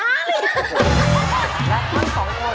และทั้งสองคน